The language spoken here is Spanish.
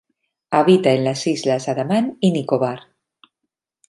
Habita en las islas Andaman y Nicobar.